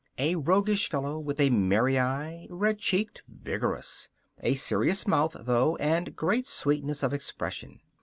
A roguish fellow with a merry eye; red cheeked, vigorous. A serious mouth, though, and great sweetness of expression.